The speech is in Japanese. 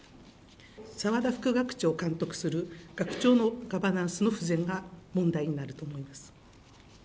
澤田副学長を監督する学長のガバナンスの不全が問題になると思います。